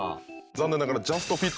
残念ながら。